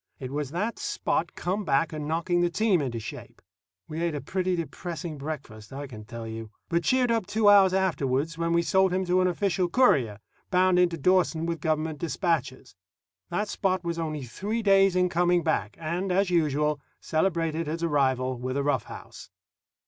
It was that Spot come back and knocking the team into shape. We ate a pretty depressing breakfast, I can tell you; but cheered up two hours afterward when we sold him to an official courier, bound in to Dawson with government dispatches. That Spot was only three days in coming back, and, as usual, celebrated his arrival with a rough house.